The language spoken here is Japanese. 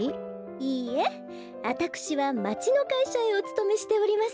いいえあたくしはまちのかいしゃへおつとめしております。